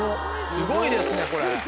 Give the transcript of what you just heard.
すごいですねこれ。